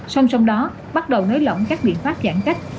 xong xong đó bắt đầu nới lỏng các biện pháp giãn cách